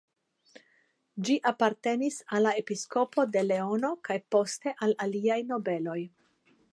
Ĝi apartenis al la episkopo de Leono kaj poste al aliaj nobeloj.